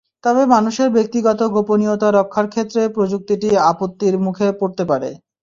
তবে মানুষের ব্যক্তিগত গোপনীয়তা রক্ষার ক্ষেত্রে প্রযুক্তিটি আপত্তির মুখে পড়তে পারে।